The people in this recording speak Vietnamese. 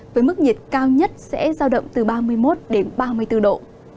với mức nhiệt cao nhất sẽ giao động từ ba mươi một đến ba mươi bốn độ